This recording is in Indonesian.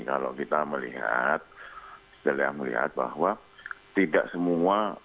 kalau kita melihat bahwa tidak semua